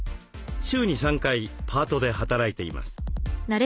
週に３回パートで働いています。